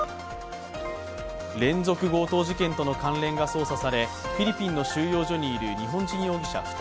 連続強盗事件との関連が捜査されフィリピンの収容所にいる日本人容疑者２人。